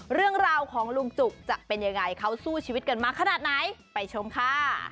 เรื่องราวของลุงจุกจะเป็นยังไงเขาสู้ชีวิตกันมาขนาดไหนไปชมค่ะ